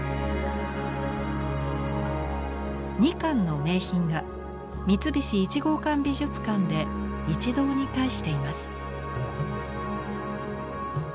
２館の名品が三菱一号館美術館で一堂に会しています。